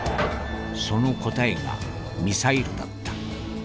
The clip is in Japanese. その答えがミサイルだった。